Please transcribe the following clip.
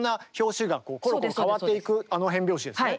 あの変拍子ですね？